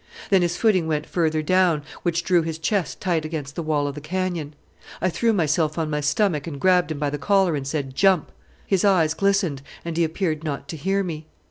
Then his footing went further down, which drew his chest tight against the wall of the canyon. I threw myself on my stomach and grabbed him by the collar and said, 'Jump.' His eyes glistened, and he appeared not to hear me.